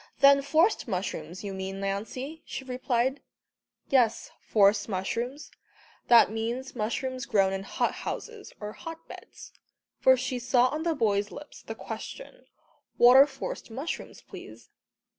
"Than forced mushrooms, you mean, Lancey," she replied. "Yes, forced mushrooms, that means mushrooms grown in hot houses, or hot beds;" for she saw on the boys' lips the question, "what are forced mushrooms, please?"